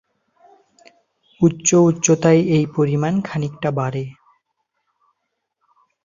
উচ্চ উচ্চতায় এই পরিমাণ খানিকটা বাড়ে।